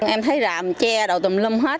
em thấy rạm che đậu tùm lum hết